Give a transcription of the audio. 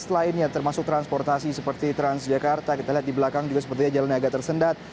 selain yang termasuk transportasi seperti transjakarta kita lihat di belakang juga sepertinya jalannya agak tersendat